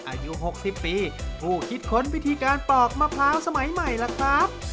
อายุ๖๐ปีผู้คิดค้นวิธีการปอกมะพร้าวสมัยใหม่ล่ะครับ